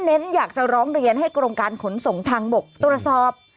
อยากจะร้องเรียนให้กรมการขนส่งทางบกตรวจสอบ